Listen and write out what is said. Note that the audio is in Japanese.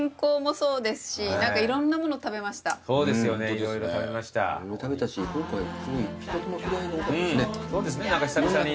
そうですね何か久々に。